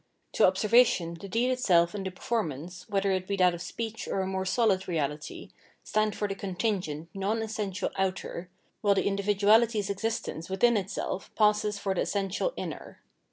To observation, tlie deed itself and the performance, whether it be that of speech or a more sohd reahty, stand for the contingent, non essential outer while the individuality's existence with in itself passes for the essential inner.